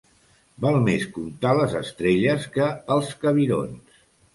Val més comptar les estrelles que els cabirons.